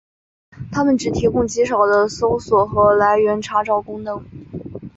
它们只提供极少的搜索和来源查找功能。